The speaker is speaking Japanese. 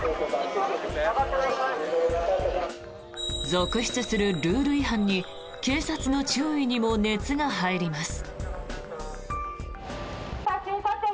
続出するルール違反に警察の注意にも熱が入ります。